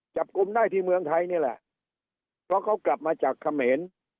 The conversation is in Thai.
จับกลุ่มได้ที่เมืองไทยนี่แหละเพราะเขากลับมาจากเขมร